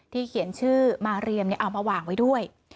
เขียนชื่อมาเรียมเอามาวางไว้ด้วย